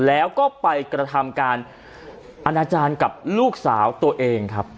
แล้วก็ไปกระทำการอนาจารย์กับลูกสาวตัวเองครับ